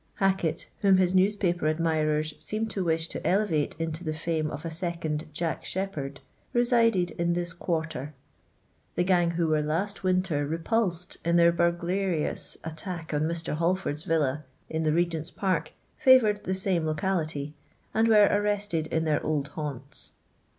Hackett, whom his newspaper admirers seem to wish to elevate into the fame of a second Jack Sheppard, resided in this quarter. The gang who were last winter repulsed in their burglarious attack on Mr. Holford's villa in the Kegcnt's park fiivoured the same locality, and were arrested in their old haunts.